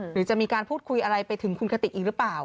หรือจะมีการพูดคุยอะไรไปถึงคุณกติกอีกหรือเปล่า